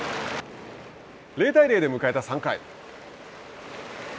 ０対０で迎えた３回。